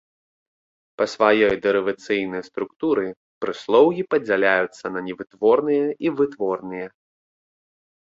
Па сваёй дэрывацыйнай структуры прыслоўі падзяляюцца на невытворныя і вытворныя.